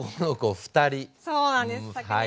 そうなんです昨年。